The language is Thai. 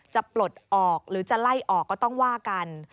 ปลดออกหรือจะไล่ออกก็ต้องว่ากัน